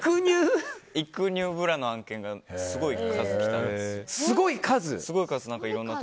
育乳ブラの案件がすごい数来たんですよ。